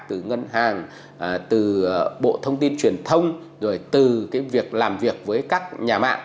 từ ngân hàng từ bộ thông tin truyền thông rồi từ cái việc làm việc với các nhà mạng